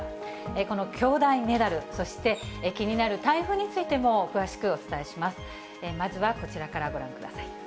この兄妹メダル、そして気になる台風についても、詳しくお伝えします。